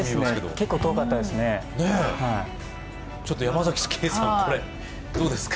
結構遠かったですね。